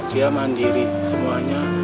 tidak dia mandiri semuanya